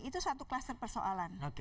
itu satu kluster persoalan